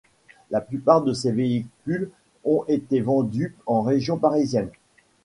La plupart de ces véhicules ont été vendus en région parisienne.